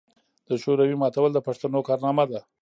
د شوروي ماتول د پښتنو کارنامه ده.